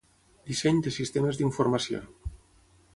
Disseny de sistemes d'informació.